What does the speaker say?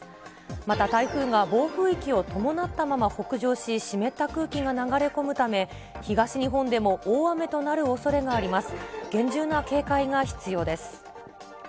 また、台風が暴風域を伴ったまま北上し、湿った空気が流れ込むため、東日本でも大雨となるおそれがあります。